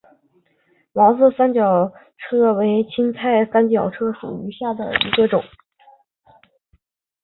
毛蕊三角车为堇菜科三角车属下的一个种。